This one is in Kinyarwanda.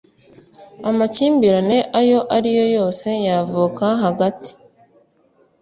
amakimbirane ayo ari yo yose yavuka hagati